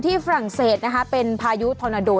ที่ฝรั่งเศสเป็นพายุทอนาโด